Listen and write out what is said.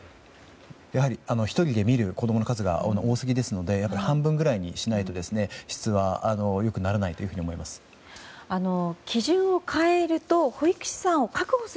やはり１人で見る子供の数が多すぎですので半分ぐらいにしないと質は良くならないと思います。